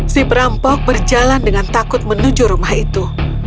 si perampok berjalan dengan takut menuju rumah itu